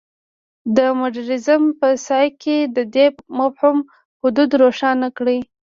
د مډرنیزم په سیاق کې د دې مفهوم حدود روښانه کړي.